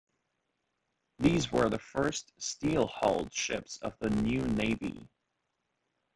These were the first steel-hulled ships of the "New Navy".